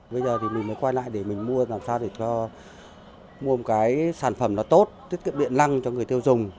bây giờ thì mình mới quay lại để mình mua làm sao để cho mua cái sản phẩm nó tốt tiết kiệm điện lăng cho người tiêu dùng